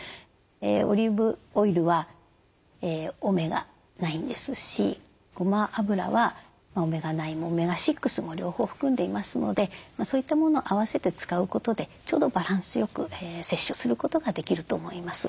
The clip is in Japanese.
オリーブオイルはオメガ９ですしごま油はオメガ９もオメガ６も両方含んでいますのでそういったものを合わせて使うことでちょうどバランスよく摂取することができると思います。